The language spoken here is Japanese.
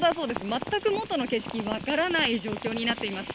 全く元の景色、分からない状況になっています。